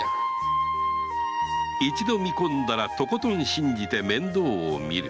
一度見込んだらとことん信じて面倒をみる